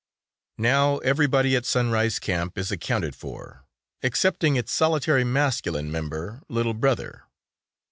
Now everybody at Sunrise Camp is accounted for excepting its solitary masculine member Little Brother.